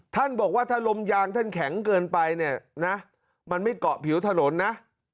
ท่านบอกว่าถ้าลมยางท่านแข็งเกินไปเนี่ยนะมันไม่เกาะผิวถนนนะ